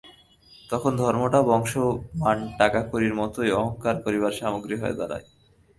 তখন ধর্মটাও বংশ মান টাকাকড়ির মতোই অহংকার করবার সামগ্রী হয়ে দাঁড়ায়।